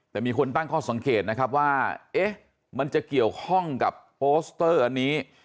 แต่มีคนตั้งข้อสังเกตนะครับว่าเอ๊ะมันจะเกี่ยวข้องกับโปสเตอร์อันนี้